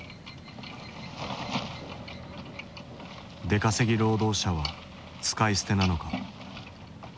出稼ぎ労働者は使い捨てなのか。